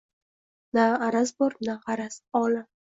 Na araz bor, na gʼaraz, olam